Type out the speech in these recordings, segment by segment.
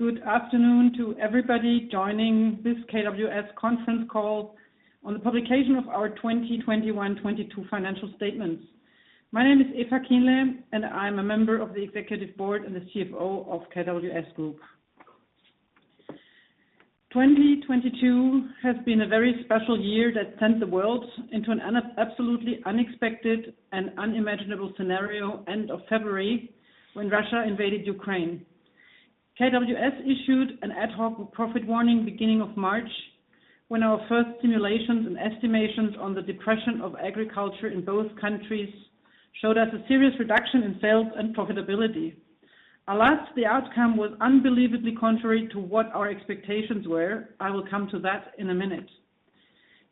Good afternoon to everybody joining this KWS conference call on the publication of our 2021/2022 financial statements. My name is Eva Kienle, and I'm a member of the executive board and the CFO of KWS Group. 2022 has been a very special year that sent the world into an absolutely unexpected and unimaginable scenario end of February, when Russia invaded Ukraine. KWS issued an ad hoc profit warning beginning of March, when our first simulations and estimations on the disruption of agriculture in both countries showed us a serious reduction in sales and profitability. Alas, the outcome was unbelievably contrary to what our expectations were. I will come to that in a minute.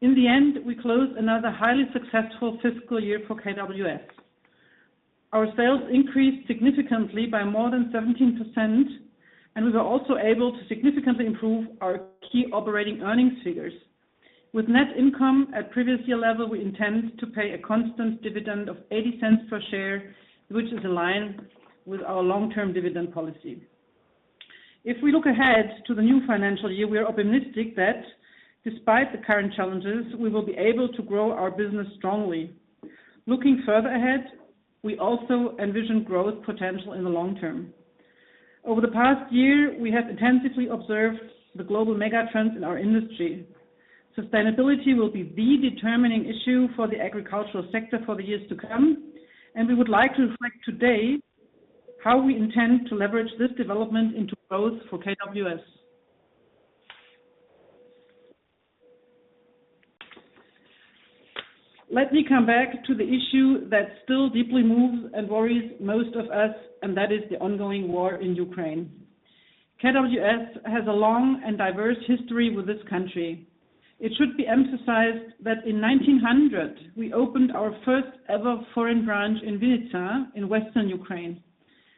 In the end, we closed another highly successful fiscal year for KWS. Our sales increased significantly by more than 17%, and we were also able to significantly improve our key operating earnings figures. With net income at previous year level, we intend to pay a constant dividend of 0.80 per share, which is in line with our long-term dividend policy. If we look ahead to the new financial year, we are optimistic that despite the current challenges, we will be able to grow our business strongly. Looking further ahead, we also envision growth potential in the long term. Over the past year, we have intensively observed the global mega trends in our industry. Sustainability will be the determining issue for the agricultural sector for the years to come, and we would like to reflect today how we intend to leverage this development into growth for KWS. Let me come back to the issue that still deeply moves and worries most of us, and that is the ongoing war in Ukraine. KWS has a long and diverse history with this country. It should be emphasized that in 1900 we opened our first ever foreign branch in Vinnytsia in western Ukraine,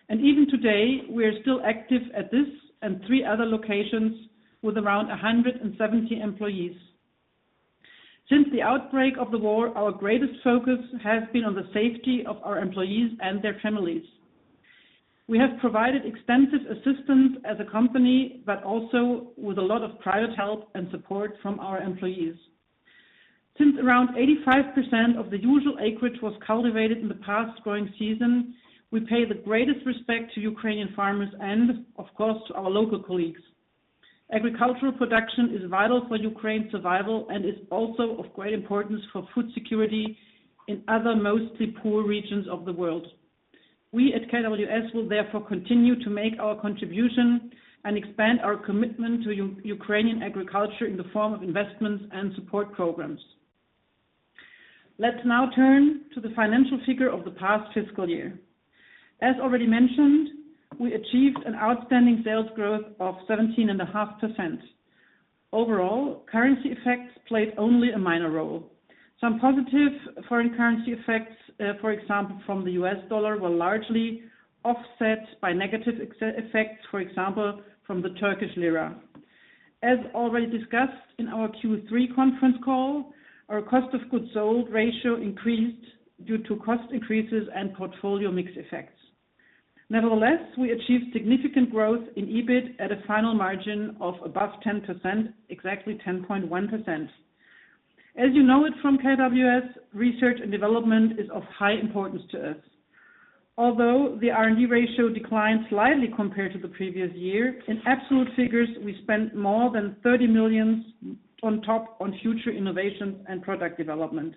and even today we are still active at this and three other locations with around 170 employees. Since the outbreak of the war, our greatest focus has been on the safety of our employees and their families. We have provided extensive assistance as a company, but also with a lot of private help and support from our employees. Since around 85% of the usual acreage was cultivated in the past growing season, we pay the greatest respect to Ukrainian farmers and of course to our local colleagues. Agricultural production is vital for Ukraine's survival and is also of great importance for food security in other mostly poor regions of the world. We at KWS will therefore continue to make our contribution and expand our commitment to Ukrainian agriculture in the form of investments and support programs. Let's now turn to the financial figures of the past fiscal year. As already mentioned, we achieved an outstanding sales growth of 17.5%. Overall, currency effects played only a minor role. Some positive foreign currency effects, for example, from the U.S. dollar, were largely offset by negative effects, for example, from the Turkish lira. As already discussed in our Q3 conference call, our cost of goods sold ratio increased due to cost increases and portfolio mix effects. Nevertheless, we achieved significant growth in EBIT at a final margin of above 10%, exactly 10.1%. As you know it from KWS, research and development is of high importance to us. Although the R&D ratio declined slightly compared to the previous year, in absolute figures, we spent more than 30 million on top on future innovations and product development.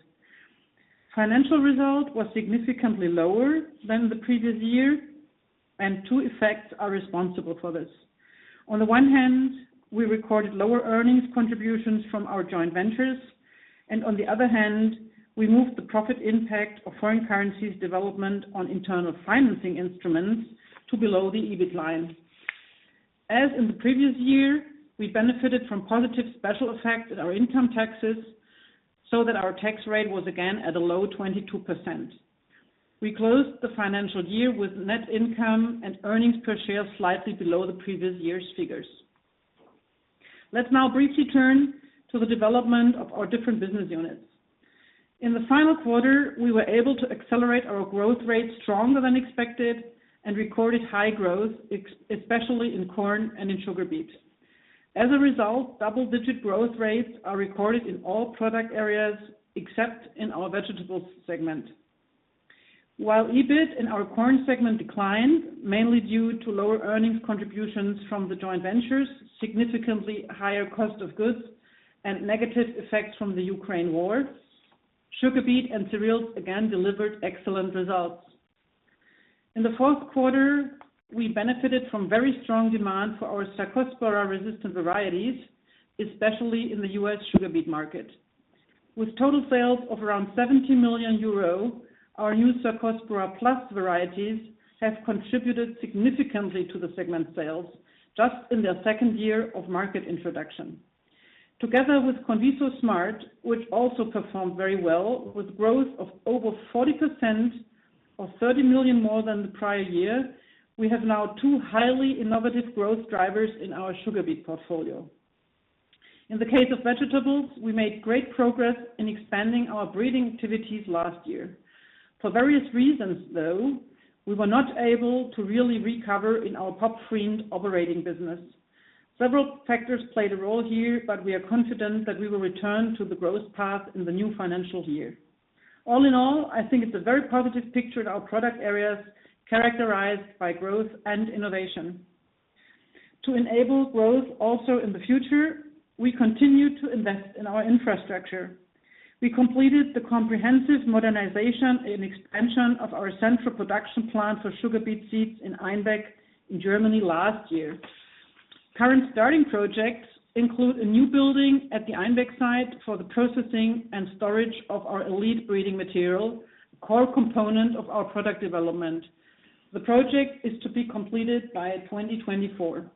Financial result was significantly lower than the previous year, and two effects are responsible for this. On the one hand, we recorded lower earnings contributions from our joint ventures, and on the other hand, we moved the profit impact of foreign currency developments on internal financing instruments to below the EBIT line. As in the previous year, we benefited from positive special effects at our income taxes so that our tax rate was again at a low 22%. We closed the financial year with net income and earnings per share slightly below the previous year's figures. Let's now briefly turn to the development of our different business units. In the final quarter, we were able to accelerate our growth rate stronger than expected and recorded high growth, especially in corn and in sugar beet. As a result, double-digit growth rates are recorded in all product areas except in our vegetables segment. While EBIT in our corn segment declined mainly due to lower earnings contributions from the joint ventures, significantly higher cost of goods, and negative effects from the Ukraine war, sugar beet and cereals again delivered excellent results. In the fourth quarter, we benefited from very strong demand for our Cercospora-resistant varieties, especially in the U.S. sugar beet market. With total sales of around 70 million euro, our new Cercospora plus varieties have contributed significantly to the segment sales just in their second year of market introduction. Together with CONVISO SMART, which also performed very well with growth of over 40% or 30 million more than the prior year, we have now two highly innovative growth drivers in our sugarbeet portfolio. In the case of vegetables, we made great progress in expanding our breeding activities last year. For various reasons, though, we were not able to really recover in our top-line operating business. Several factors played a role here, but we are confident that we will return to the growth path in the new financial year. All in all, I think it's a very positive picture in our product areas, characterized by growth and innovation. To enable growth also in the future, we continue to invest in our infrastructure. We completed the comprehensive modernization and expansion of our central production plant for sugarbeet seeds in Einbeck in Germany last year. Current starting projects include a new building at the Einbeck site for the processing and storage of our elite breeding material, a core component of our product development. The project is to be completed by 2024.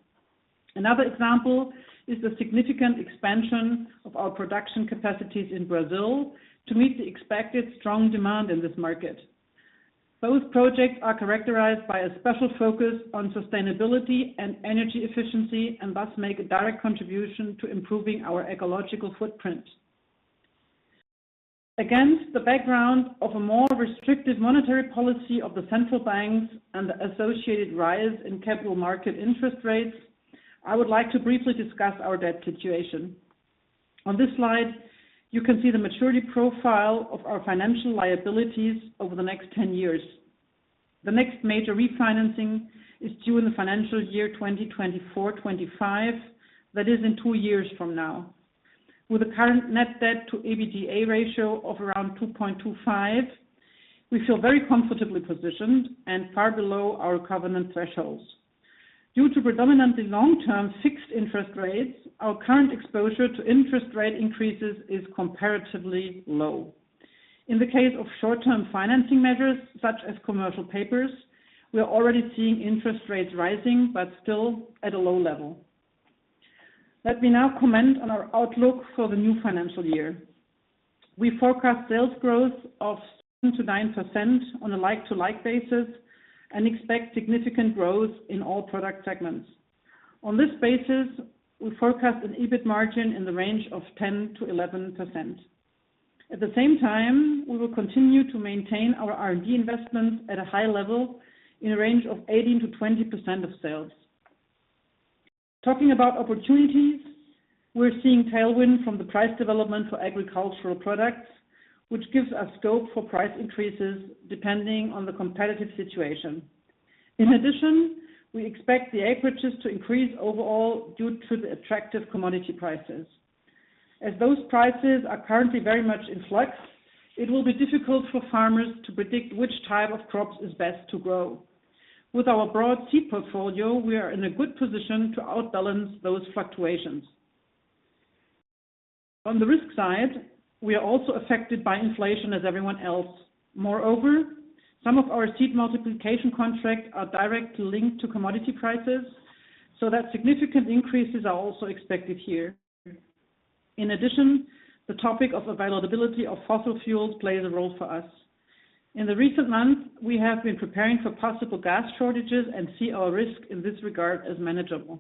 Another example is the significant expansion of our production capacities in Brazil to meet the expected strong demand in this market. Both projects are characterized by a special focus on sustainability and energy efficiency, and thus make a direct contribution to improving our ecological footprint. Against the background of a more restricted monetary policy of the central banks and the associated rise in capital market interest rates, I would like to briefly discuss our debt situation. On this slide, you can see the maturity profile of our financial liabilities over the next 10 years. The next major refinancing is due in the financial year 2024-2025, that is in two years from now. With the current net debt to EBITDA ratio of around 2.25, we feel very comfortably positioned and far below our covenant thresholds. Due to predominantly long-term fixed interest rates, our current exposure to interest rate increases is comparatively low. In the case of short-term financing measures, such as commercial papers, we are already seeing interest rates rising, but still at a low level. Let me now comment on our outlook for the new financial year. We forecast sales growth of 7%-9% on a like-for-like basis and expect significant growth in all product segments. On this basis, we forecast an EBIT margin in the range of 10%-11%. At the same time, we will continue to maintain our R&D investments at a high level in a range of 18%-20% of sales. Talking about opportunities, we're seeing tailwind from the price development for agricultural products, which gives us scope for price increases depending on the competitive situation. In addition, we expect the acreages to increase overall due to the attractive commodity prices. As those prices are currently very much in flux, it will be difficult for farmers to predict which type of crops is best to grow. With our broad seed portfolio, we are in a good position to outbalance those fluctuations. On the risk side, we are also affected by inflation as everyone else. Moreover, some of our seed multiplication contracts are directly linked to commodity prices, so that significant increases are also expected here. In addition, the topic of availability of fossil fuels plays a role for us. In the recent months, we have been preparing for possible gas shortages and see our risk in this regard as manageable.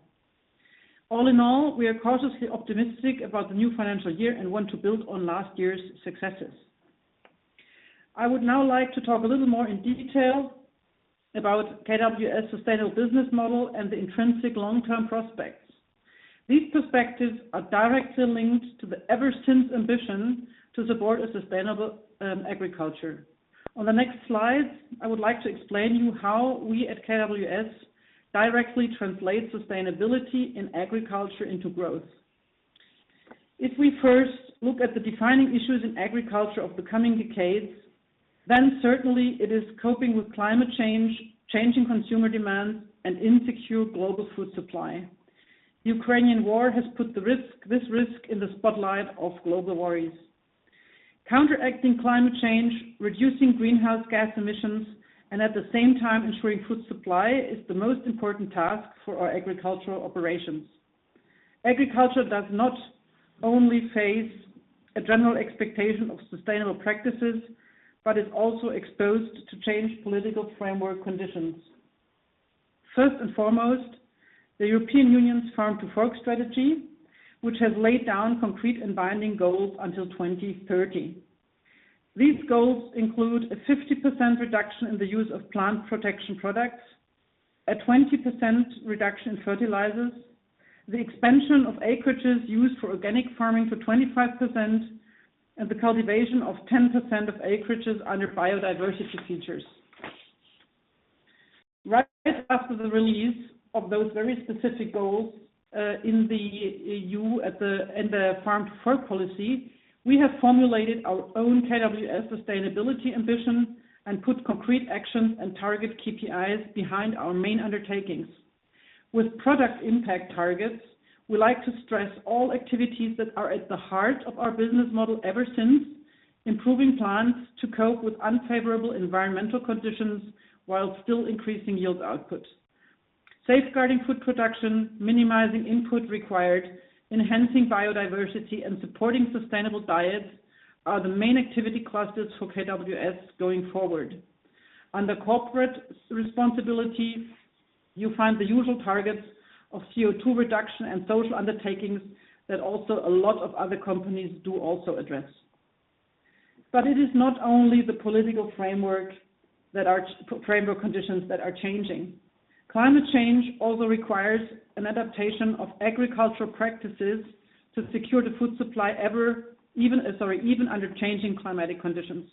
All in all, we are cautiously optimistic about the new financial year and want to build on last year's successes. I would now like to talk a little more in detail about KWS sustainable business model and the intrinsic long-term prospects. These perspectives are directly linked to the ever-present ambition to support a sustainable agriculture. On the next slide, I would like to explain to you how we at KWS directly translate sustainability in agriculture into growth. If we first look at the defining issues in agriculture of the coming decades, then certainly it is coping with climate change, changing consumer demands and insecure global food supply. Ukrainian war has put this risk in the spotlight of global worries. Counteracting climate change, reducing greenhouse gas emissions, and at the same time ensuring food supply is the most important task for our agricultural operations. Agriculture does not only face a general expectation of sustainable practices, but is also exposed to changed political framework conditions. First and foremost, the European Union's Farm to Fork strategy, which has laid down concrete and binding goals until 2030. These goals include a 50% reduction in the use of plant protection products, a 20% reduction in fertilizers, the expansion of acreages used for organic farming for 25%, and the cultivation of 10% of acreages under biodiversity features. Right after the release of those very specific goals in the EU in the Farm to Fork policy, we have formulated our own KWS sustainability ambition and put concrete actions and target KPIs behind our main undertakings. With product impact targets, we like to stress all activities that are at the heart of our business model ever since, improving plants to cope with unfavorable environmental conditions while still increasing yield output. Safeguarding food production, minimizing input required, enhancing biodiversity, and supporting sustainable diets are the main activity clusters for KWS going forward. Under corporate responsibility, you find the usual targets of CO₂ reduction and social undertakings that also a lot of other companies do also address. It is not only the political framework conditions that are changing. Climate change also requires an adaptation of agricultural practices to secure the food supply even under changing climatic conditions.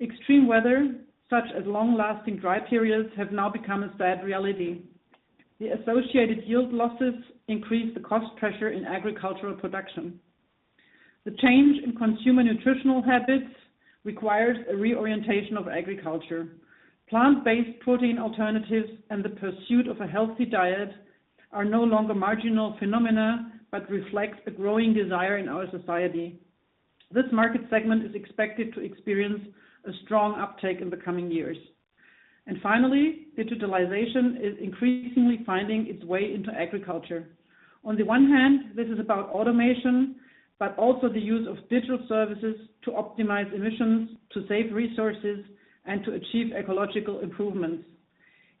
Extreme weather, such as long-lasting dry periods, have now become a sad reality. The associated yield losses increase the cost pressure in agricultural production. The change in consumer nutritional habits requires a reorientation of agriculture. Plant-based protein alternatives and the pursuit of a healthy diet are no longer marginal phenomena, but reflect a growing desire in our society. This market segment is expected to experience a strong uptake in the coming years. Finally, digitalization is increasingly finding its way into agriculture. On the one hand, this is about automation, but also the use of digital services to optimize emissions, to save resources, and to achieve ecological improvements.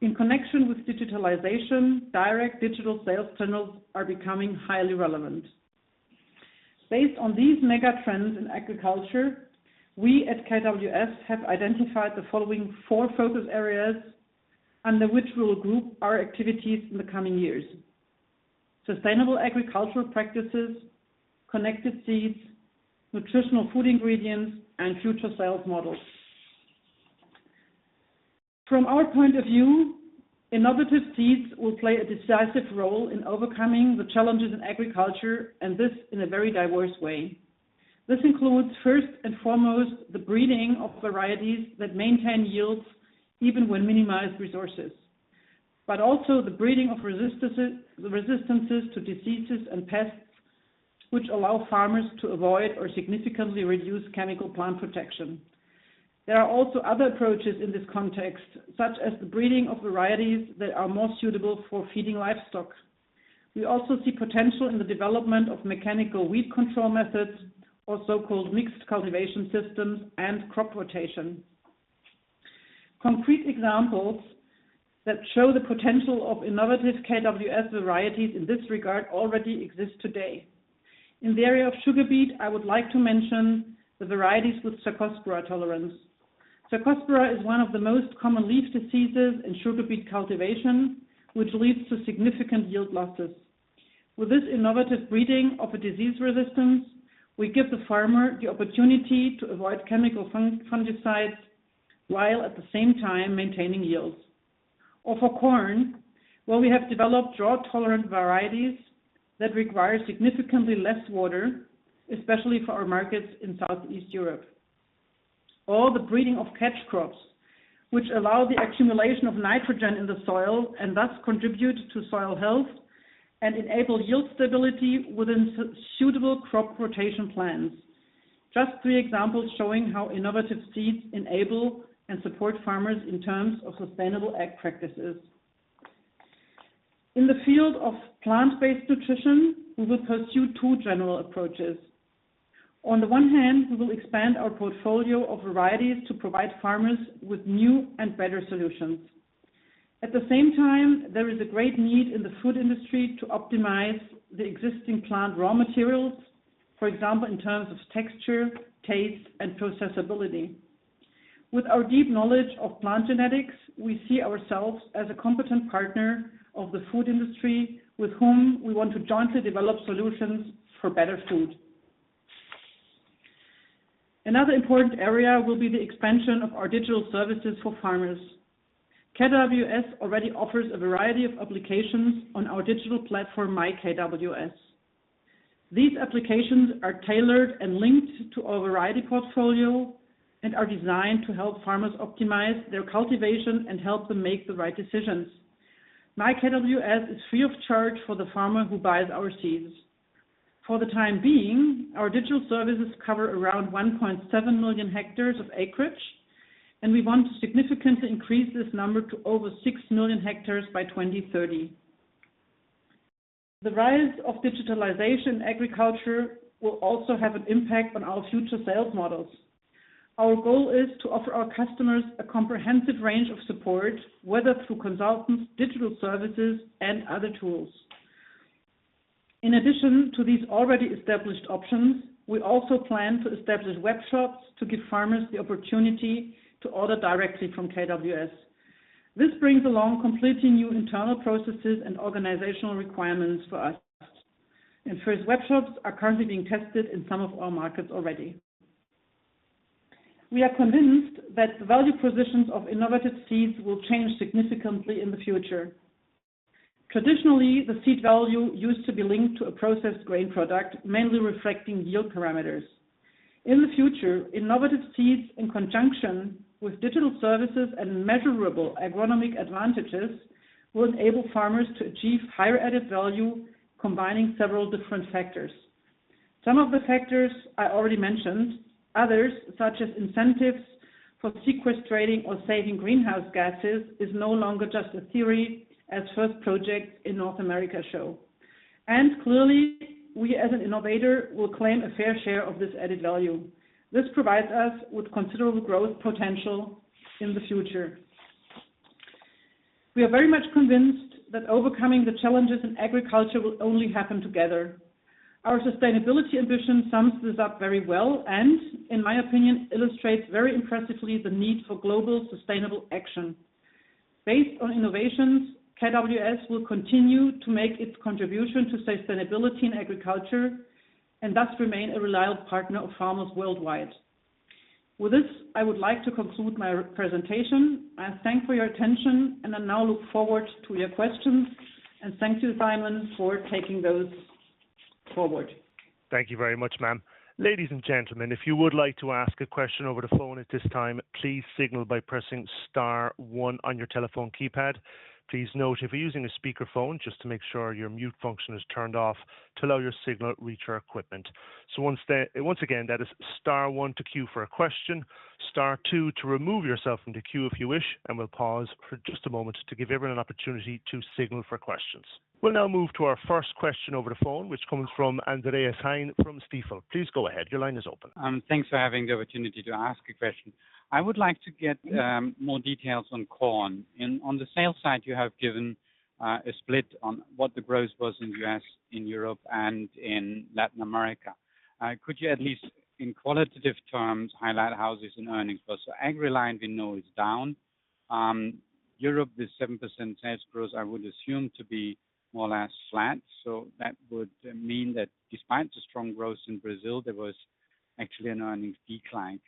In connection with digitalization, direct digital sales channels are becoming highly relevant. Based on these mega trends in agriculture, we at KWS have identified the following four focus areas under which we'll group our activities in the coming years, sustainable agricultural practices, Connected Seeds, nutritional food ingredients, and future sales models. From our point of view, innovative seeds will play a decisive role in overcoming the challenges in agriculture, and this in a very diverse way. This includes, first and foremost, the breeding of varieties that maintain yields even when minimized resources. Also the breeding of resistances to diseases and pests, which allow farmers to avoid or significantly reduce chemical plant protection. There are also other approaches in this context, such as the breeding of varieties that are more suitable for feeding livestock. We also see potential in the development of mechanical weed control methods or so-called mixed cultivation systems and crop rotation. Concrete examples that show the potential of innovative KWS varieties in this regard already exist today. In the area of sugarbeet, I would like to mention the varieties with Cercospora tolerance. Cercospora is one of the most common leaf diseases in sugarbeet cultivation, which leads to significant yield losses. With this innovative breeding of a disease resistance, we give the farmer the opportunity to avoid chemical fungicides while at the same time maintaining yields. For corn, where we have developed drought-tolerant varieties that require significantly less water, especially for our markets in South East Europe. The breeding of catch crops, which allow the accumulation of nitrogen in the soil and thus contribute to soil health and enable yield stability within suitable crop rotation plans. Just three examples showing how innovative seeds enable and support farmers in terms of sustainable ag practices. In the field of plant-based nutrition, we will pursue two general approaches. On the one hand, we will expand our portfolio of varieties to provide farmers with new and better solutions. At the same time, there is a great need in the food industry to optimize the existing plant raw materials, for example, in terms of texture, taste, and processability. With our deep knowledge of plant genetics, we see ourselves as a competent partner of the food industry with whom we want to jointly develop solutions for better food. Another important area will be the expansion of our digital services for farmers. KWS already offers a variety of applications on our digital platform, myKWS. These applications are tailored and linked to our variety portfolio and are designed to help farmers optimize their cultivation and help them make the right decisions. myKWS is free of charge for the farmer who buys our seeds. For the time being, our digital services cover around 1.7 million hectares of acreage, and we want to significantly increase this number to over 6 million hectares by 2030. The rise of digitalization agriculture will also have an impact on our future sales models. Our goal is to offer our customers a comprehensive range of support, whether through consultants, digital services, and other tools. In addition to these already established options, we also plan to establish web shops to give farmers the opportunity to order directly from KWS. This brings along completely new internal processes and organizational requirements for us. First web shops are currently being tested in some of our markets already. We are convinced that the value propositions of innovative seeds will change significantly in the future. Traditionally, the seed value used to be linked to a processed grain product, mainly reflecting yield parameters. In the future, innovative seeds in conjunction with digital services and measurable agronomic advantages will enable farmers to achieve higher added value, combining several different factors. Some of the factors I already mentioned, others, such as incentives for sequestrating or saving greenhouse gases, is no longer just a theory as first projects in North America show. Clearly, we as an innovator will claim a fair share of this added value. This provides us with considerable growth potential in the future. We are very much convinced that overcoming the challenges in agriculture will only happen together. Our sustainability ambition sums this up very well and in my opinion, illustrates very impressively the need for global sustainable action. Based on innovations, KWS will continue to make its contribution to sustainability in agriculture and thus remain a reliable partner of farmers worldwide. With this, I would like to conclude my presentation. I thank you for your attention and I now look forward to your questions. Thank you, Simon, for taking those forward. Thank you very much, ma'am. Ladies and gentlemen, if you would like to ask a question over the phone at this time, please signal by pressing star one on your telephone keypad. Please note, if you're using a speakerphone, just to make sure your mute function is turned off to allow your signal to reach our equipment. Once again, that is star one to queue for a question, star two to remove yourself from the queue if you wish, and we'll pause for just a moment to give everyone an opportunity to signal for questions. We'll now move to our first question over the phone, which comes from Andreas Heine from Stifel. Please go ahead. Your line is open. Thanks for having the opportunity to ask a question. I would like to get more details on corn. On the sales side, you have given a split on what the growth was in U.S., in Europe, and in Latin America. Could you at least, in qualitative terms, highlight how this in earnings was? AgReliant we know is down. Europe is 7% sales growth, I would assume to be more or less flat. That would mean that despite the strong growth in Brazil, there was actually an earnings decline.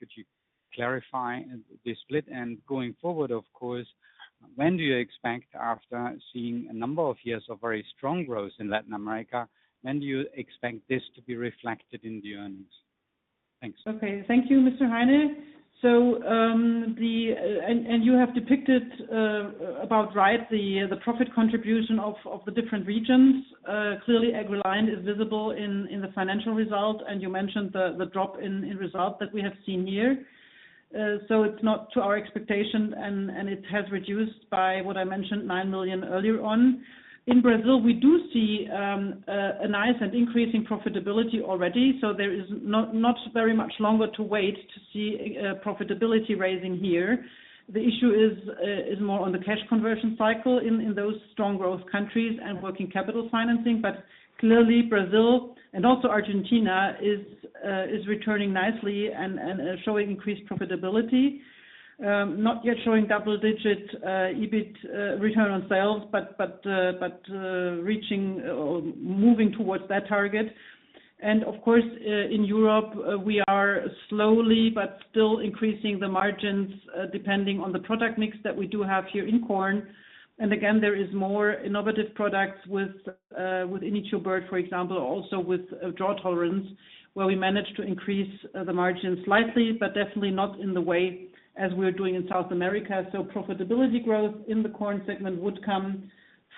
Could you clarify the split? Going forward, of course, when do you expect after seeing a number of years of very strong growth in Latin America, when do you expect this to be reflected in the earnings? Thanks. Okay, thank you, Mr. Heine. You have depicted about right the profit contribution of the different regions. Clearly, AgReliant is visible in the financial result, and you mentioned the drop in result that we have seen here. It's not to our expectation, and it has reduced by what I mentioned, 9 million earlier on. In Brazil, we do see a nice and increasing profitability already. There is not very much longer to wait to see profitability raising here. The issue is more on the cash conversion cycle in those strong growth countries and working capital financing. Clearly, Brazil and also Argentina is returning nicely and showing increased profitability. Not yet showing double-digit EBIT return on sales, but reaching or moving towards that target. Of course, in Europe, we are slowly but still increasing the margins, depending on the product mix that we do have here in corn. Again, there is more innovative products with INITIO Bird, for example, also with drought tolerance, where we managed to increase the margin slightly, but definitely not in the way as we're doing in South America. Profitability growth in the corn segment would come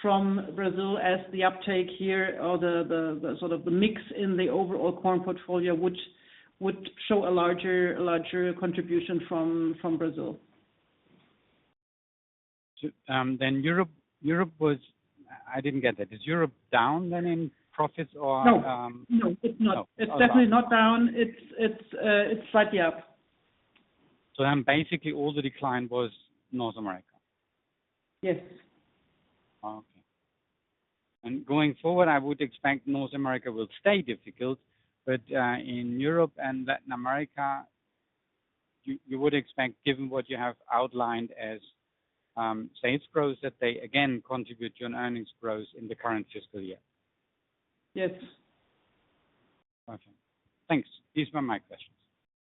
from Brazil as the uptake here or the sort of the mix in the overall corn portfolio, which would show a larger contribution from Brazil. Europe was. I didn't get that. Is Europe down then in profits or No, it's not. No, okay. It's definitely not down. It's slightly up. Basically, all the decline was North America? Yes. Okay. Going forward, I would expect North America will stay difficult, but in Europe and Latin America, you would expect, given what you have outlined as sales growth, that they again contribute to an earnings growth in the current fiscal year? Yes. Okay. Thanks. These were my questions.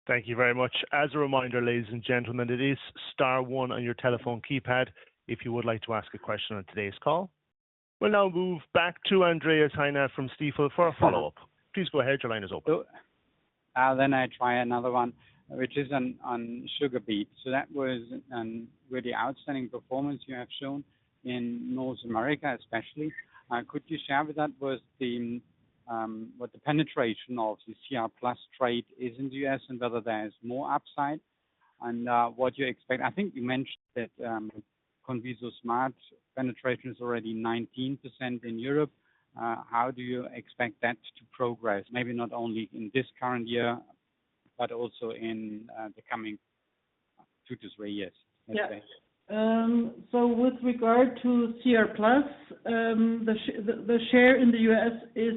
Thank you very much. As a reminder, ladies and gentlemen, it is star one on your telephone keypad, if you would like to ask a question on today's call. We'll now move back to Andreas Heine from Stifel for a follow-up. Please go ahead. Your line is open. I try another one, which is on sugarbeet. That was really outstanding performance you have shown in North America, especially. Could you share what the penetration of the CR+ trait is in the U.S. and whether there is more upside and what you expect? I think you mentioned that CONVISO Smart penetration is already 19% in Europe. How do you expect that to progress? Maybe not only in this current year, but also in the coming two to three years, let's say. With regard to CR+, the share in the U.S. is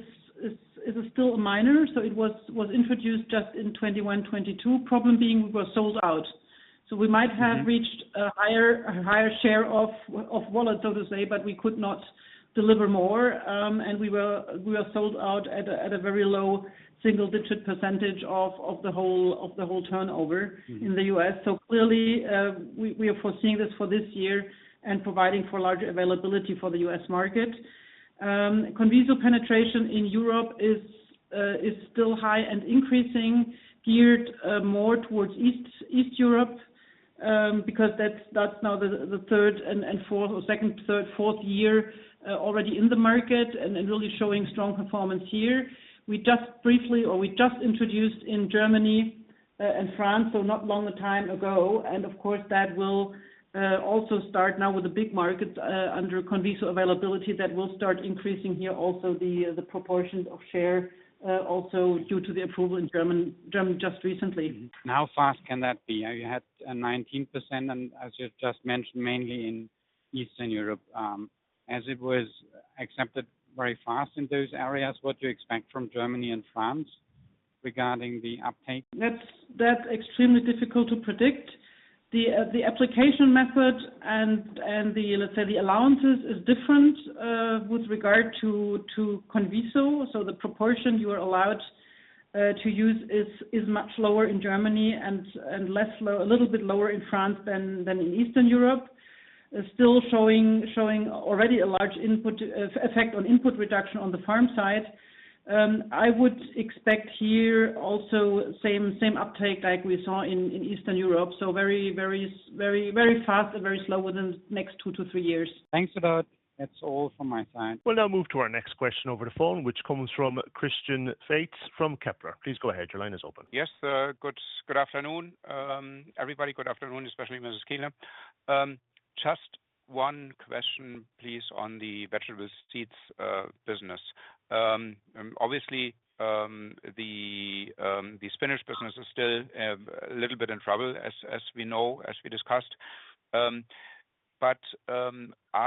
still minor. It was introduced just in 2021, 2022. Problem being we're sold out. Mm-hmm. We might have reached a higher share of wallet, so to say, but we could not deliver more. We were sold out at a very low single-digit % of the whole turnover. Mm-hmm. in the U.S. Clearly, we are foreseeing this for this year and providing for larger availability for the U.S. market. CONVISO penetration in Europe is still high and increasing, geared more towards Eastern Europe, because that's now the third and fourth or second, third, fourth year already in the market and really showing strong performance here. We just introduced in Germany, in France, so not long a time ago. Of course, that will also start now with the big markets under CONVISO availability that will start increasing here also the proportions of share, also due to the approval in Germany just recently. How fast can that be? You had 19% and as you just mentioned, mainly in Eastern Europe, as it was accepted very fast in those areas. What do you expect from Germany and France regarding the uptake? That's extremely difficult to predict. The application method and, let's say, the allowances is different with regard to CONVISO. The proportion you are allowed to use is much lower in Germany and a little bit lower in France than in Eastern Europe. Still showing already a large input effect on input reduction on the farm side. I would expect here also same uptake like we saw in Eastern Europe. Very fast and very slow within the next two to three years. Thanks for that. That's all from my side. We'll now move to our next question over the phone, which comes from Christian Faitz from Kepler Cheuvreux. Please go ahead. Your line is open. Yes, sir. Good afternoon. Everybody, good afternoon, especially Mrs. Kienle. Just one question, please, on the vegetable seeds business. Obviously, the spinach business is still a little bit in trouble as we know, as we discussed. Are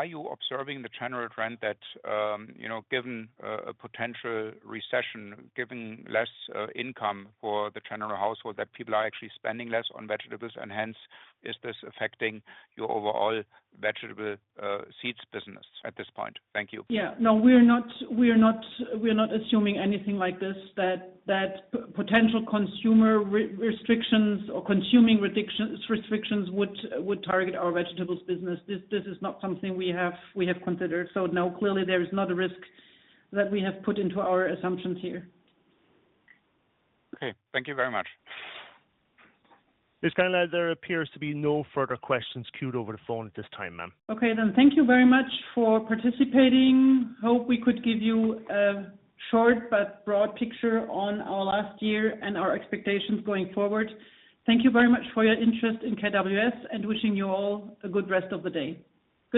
you observing the general trend that you know, given a potential recession, given less income for the general household, that people are actually spending less on vegetables? Hence, is this affecting your overall vegetable seeds business at this point? Thank you. No, we are not assuming anything like this, that potential consumer restrictions or consumption restrictions would target our vegetables business. This is not something we have considered. No, clearly there is not a risk that we have put into our assumptions here. Okay. Thank you very much. Mrs. Kienle, there appears to be no further questions queued over the phone at this time, ma'am. Okay then. Thank you very much for participating. Hope we could give you a short but broad picture on our last year and our expectations going forward. Thank you very much for your interest in KWS and wishing you all a good rest of the day.